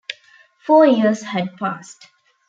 Four years had passed.